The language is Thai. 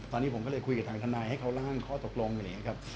ตอนนี้ผมก็เลยคุยกับทางทนายให้เขาร่างข้อตกลงอยู่อย่างนี้ครับ